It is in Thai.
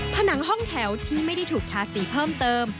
ผนังห้องแถวที่ไม่ได้ถูกทาสีเพิ่มเติม